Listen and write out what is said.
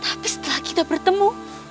tapi setelah kita bertemu